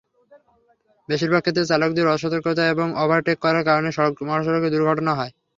বেশির ভাগ ক্ষেত্রে চালকদের অসতর্কতা এবং ওভারটেক করার কারণেই সড়ক-মহাসড়কে দুর্ঘটনা ঘটে।